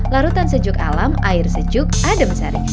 larutan sejuk alam air sejuk adem sari